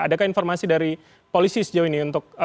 adakah informasi dari polisi sejauh ini untuk